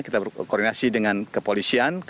kita berkoordinasi dengan kepolisian